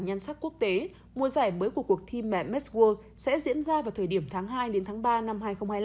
nhân sắc quốc tế mùa giải mới của cuộc thi mẹ metworld sẽ diễn ra vào thời điểm tháng hai đến tháng ba năm hai nghìn hai mươi năm